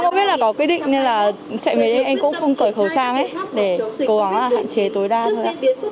em không biết là có quyết định nên là chạy về đây em cũng không cởi khẩu trang để cố gắng là hạn chế tối đa thôi ạ